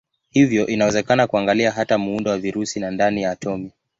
Hivyo inawezekana kuangalia hata muundo wa virusi na ndani ya atomi.